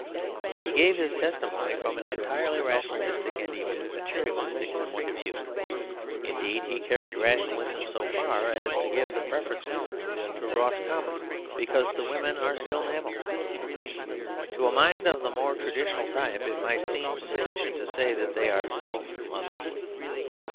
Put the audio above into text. He gave his testimony from an entirely ration alistic and even materialistic point of view; indeed, he carried rationalism so far as to give the preference to Roscommon because the women are still mammals. To a mind of the more traditional type it might seem sufficient to say they are still mothers.